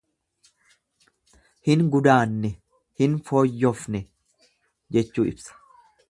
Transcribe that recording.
Hin gudaanne, hin fooyyofne jechuu ibsa.